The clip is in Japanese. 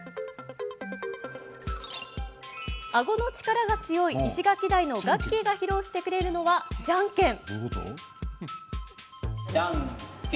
あごの力が強いイシガキダイのガッキーが披露してくれるのはじゃんけん。